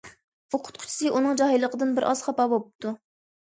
ئوقۇتقۇچىسى ئۇنىڭ جاھىللىقىدىن بىر ئاز خاپا بوپتۇ.